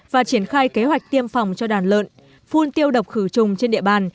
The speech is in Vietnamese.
và triển khai kế hoạch tiêm phòng cho đàn lợn phun tiêu độc khử trùng trên địa bàn